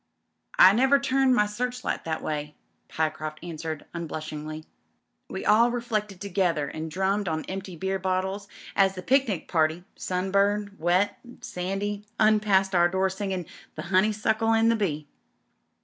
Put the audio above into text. "I never turned my searchlight that way," Pyecroft answered unblushingly. We all reflected together, and drummed on empty beer bottles as the picnic party, sunburned, wet, and sandy, passed our door singing "The Honeysuckle and the Bee."